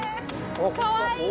かわいい！